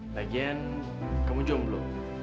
lagian kamu jomblo